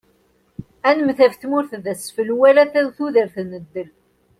Ad nemmet ɣef tmurt d asfel, wal tudert n ddel.